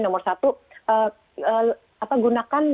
yang nomor satu gunakan